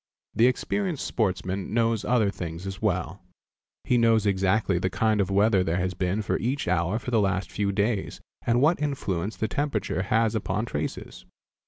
The experienced sportsman knows other things as well. He knows exactly the kind of weather there has been each hour for the last few days and what influence the temperature has upon traces.